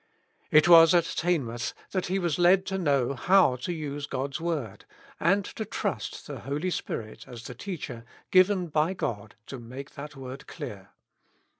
It was at Teignmouth that he was led to know how to use God's word, and to trust the Holy Spirit as the Teacher given by God to make that word clear.